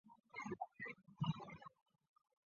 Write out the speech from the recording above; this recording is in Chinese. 赞布罗塔目前是瑞士球队基亚索主教练。